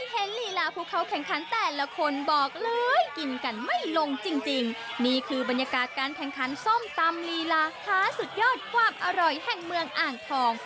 ลีลาผู้เข้าแข่งขันแต่ละคนบอกเลยกินกันไม่ลงจริงนี่คือบรรยากาศการแข่งขันส้มตำลีลาค้าสุดยอดความอร่อยแห่งเมืองอ่างทอง